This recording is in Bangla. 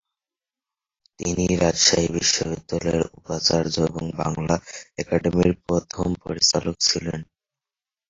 তিনি রাজশাহী বিশ্ববিদ্যালয়ের উপাচার্য এবং বাংলা একাডেমির প্রথম মহাপরিচালক ছিলেন।